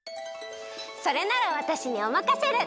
それならわたしにおまかシェル！